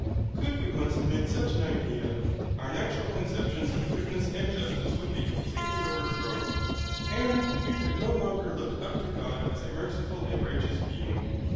Could we once admit such an idea, it our natural conceptions of goodness and justice would be completely overthrown, and we could no longer look up to God as a merciful and righteous Being.